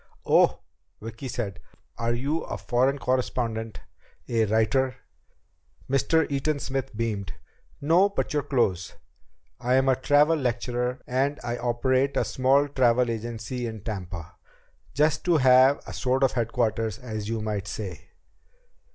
"Oh?" Vicki said. "Are you a foreign correspondent? A writer?" Mr. Eaton Smith beamed. "No, but you're close. I'm a travel lecturer, and I operate a small travel agency in Tampa. Just to have a sort of headquarters, as you might say."